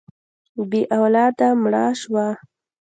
بې اولاده مړه شوه.